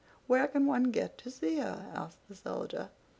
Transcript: "Where can one get to see her?" asked the Soldier.